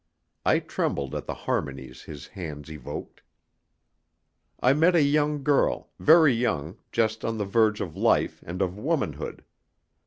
I trembled at the harmonies his hands evoked. I met a young girl, very young, just on the verge of life and of womanhood.